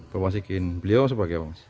bapak sikin beliau sebagai apa